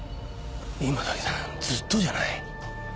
今だけだずっとじゃない。